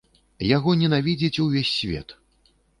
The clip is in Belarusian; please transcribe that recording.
Яго ненавідзіць увесь свет.